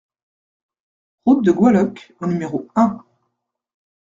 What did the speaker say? Route de Goaleuc au numéro un